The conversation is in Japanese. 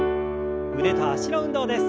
腕と脚の運動です。